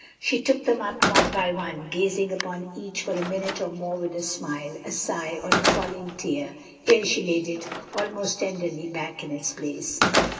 She took them up, one by one, gazing upon each for a minute or more with a smile, a sigh, or a falling tear, ere she laid it almost tenderly back in its place.